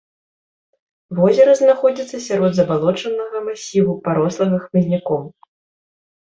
Возера знаходзіцца сярод забалочанага масіву, парослага хмызняком.